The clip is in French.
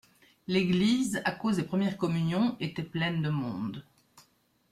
L'église, à cause des premières communions était pleine de monde.